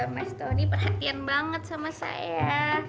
mestoni perhatian banget sama saya